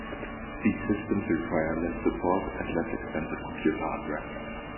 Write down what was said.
These systems require less support and less expensive computer hardware.